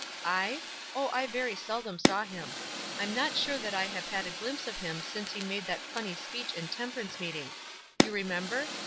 "I? Oh, I very seldom saw him. I'm not sure that I have had a glimpse of him since he made that funny speech in temperance meeting. You remember?